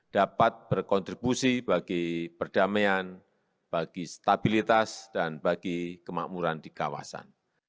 dapat berkontribusi bagi perdamaian bagi stabilitas dan bagi kemakmuran di kawasan